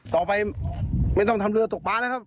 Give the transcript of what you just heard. ในสำดุสินที่เพิ่มครับ